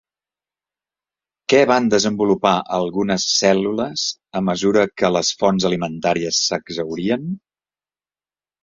Què van desenvolupar algunes cèl·lules a mesura que les fonts alimentàries s'exhaurien?